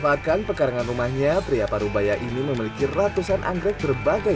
jambu kristal hasil budidaya tahiyat ini